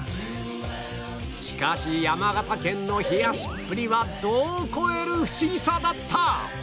しかし山形県の冷やしっぷりは度を超えるフシギさだった！